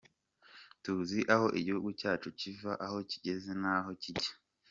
Tuzi aho igihugu cyacu kiva, aho kigeze n’aho kijya.